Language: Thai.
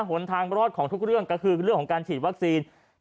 หนทางรอดของทุกเรื่องก็คือเรื่องของการฉีดวัคซีน